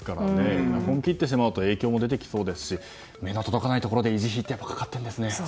エアコン切ってしまうと影響出てきてしまいそうですし目の届かないところで維持費がかかっているんですね。